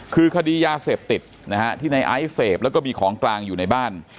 คือคดียาเสพติดนะฮะที่ในไอซ์เสพแล้วก็มีของกลางอยู่ในบ้าน